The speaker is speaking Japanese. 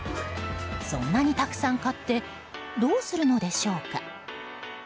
そんなにたくさん買ってどうするのでしょうか。